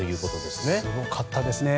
すごかったですね。